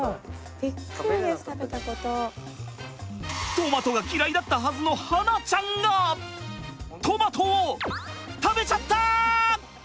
トマトが嫌いだったはずの巴梛ちゃんがトマトを食べちゃった！